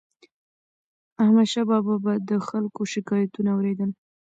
احمدشاه بابا به د خلکو شکایتونه اور يدل.